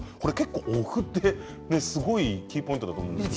お麩ってすごいキーポイントだと思います。